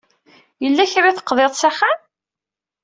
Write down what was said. Yella kra i teqḍiḍ s axxam?